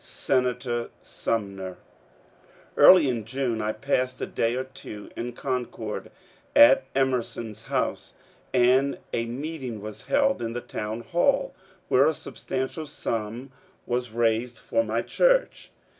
Senator Sumner ! .Early in June I passed a day or two in Concord at Emer son s house, and a meeting was held in the town hall, where a substantial sum was raised for my church.